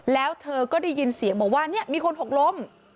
แล้วเธอก็ได้ยินเสียงบอกว่าเนี่ยมีคนหกล้ม